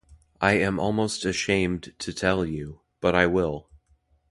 I am almost ashamed to tell you, but I will.